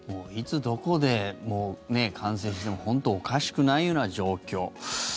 いつ、どこで感染しても本当おかしくないような状況。